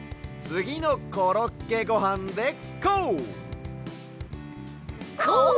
つぎの「コロッケごはん」でこう！